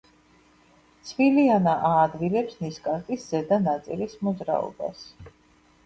ცვილიანა აადვილებს ნისკარტის ზედა ნაწილის მოძრაობას.